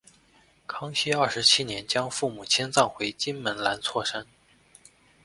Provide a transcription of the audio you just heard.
康熙二十七年将父母迁葬回金门兰厝山。